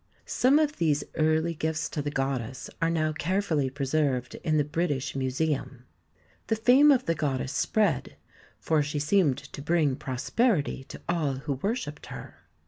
Some of these early gifts to the goddess are now carefully preserved in the British Museum. The fame of the goddess spread, for she seemed to bring prosperity to all who worshipped her.